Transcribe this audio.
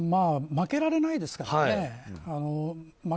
負けられないですからね。